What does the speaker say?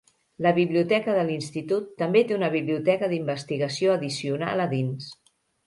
La biblioteca de l'institut també té una biblioteca d'investigació addicional a dins.